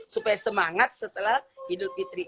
supaya semangat setelah idul fitri